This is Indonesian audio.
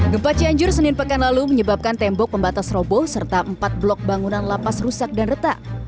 gempa cianjur senin pekan lalu menyebabkan tembok pembatas roboh serta empat blok bangunan lapas rusak dan retak